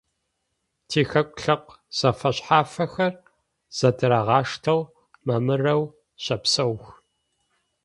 Тихэку лъэпкъ зэфэшъхьафхэр зэдырагъаштэу, мамырэу щэпсэух.